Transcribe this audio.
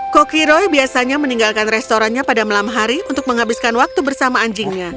kokiro biasanya meninggalkan restorannya pada malam hari untuk menghabiskan waktu bersama anjingnya